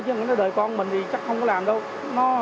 chứ đời con mình thì chắc không có làm đâu